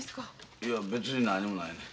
いや別に何もないねん。